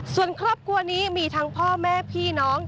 ส่วนครอบครัวนี้มีทั้งพ่อแม่พี่น้อง